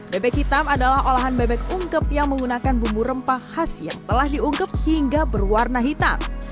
bebek hitam adalah olahan bebek ungkep yang menggunakan bumbu rempah khas yang telah diungkep hingga berwarna hitam